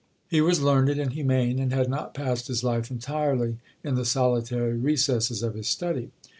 He was learned and humane, and had not passed his life entirely in the solitary recesses of his study.